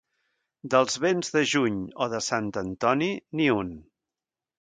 Dels vents de juny o de Sant Antoni, ni un.